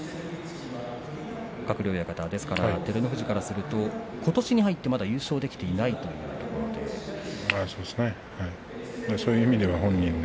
ですから照ノ富士からするとことしに入って、まだ優勝ができていないということですね。